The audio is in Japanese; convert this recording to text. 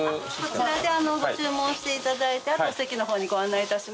こちらでご注文していただいて席の方にご案内いたします。